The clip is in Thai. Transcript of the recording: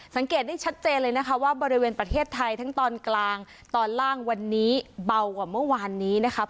สังเกตได้ชัดเจนเลยนะคะว่าบริเวณประเทศไทยทั้งตอนกลางตอนล่างวันนี้เบากว่าเมื่อวานนี้นะครับ